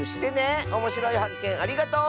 おもしろいはっけんありがとう！